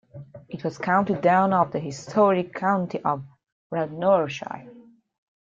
It was the county town of the historic county of Radnorshire.